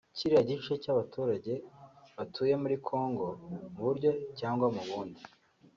Kiriya gice cy’Abaturage batuye muri Congo mu buryo cyangwa mu bundi